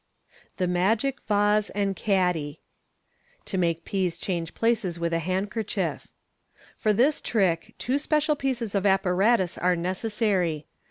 The Magic Vase and Caddy. (To make peas change places with a handkerchief.) — For this trick two special pieces of apparatus are necessary.